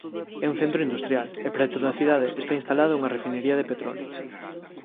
É un centro industrial e preto da cidade está instalada unha refinería de petróleo.